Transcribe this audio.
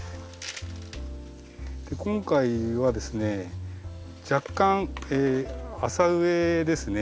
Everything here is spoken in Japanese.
今回はですね若干浅植えですね。